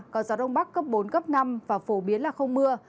có gió đông bắc cấp bốn cấp năm và phổ biến là không mưa